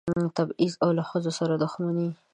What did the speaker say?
تبعیض او له ښځو سره دښمني.